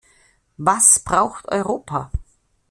Was braucht Europa?